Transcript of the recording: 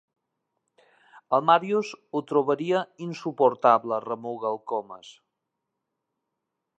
El Màrius ho trobaria insuportable —remuga el Comas.